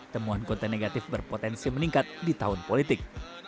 temuan konten negatif berpotensi meningkat di tahun politik